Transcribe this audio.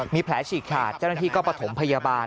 มีแผลฉีกขาดเจ้าหน้าที่ก็ประถมพยาบาล